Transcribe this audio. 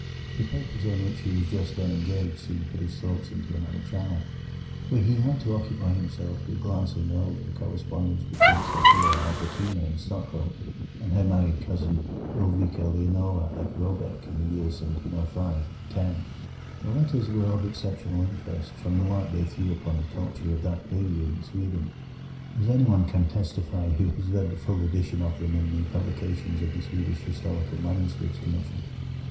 The papers on which he was just then engaged soon put his thoughts into another channel, for he had to occupy himself with glancing over the correspondence between Sophia Albertina in Stockholm and her married cousin Ulrica Leonora at Råbäck in the years 1705 1710. The letters were of exceptional interest from the light they threw upon the culture of that period in Sweden, as anyone can testify who has read the full edition of them in the publications of the Swedish Historical Manuscripts Commission.